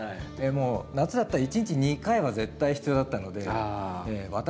もう夏だったら一日２回は絶対必要だったので私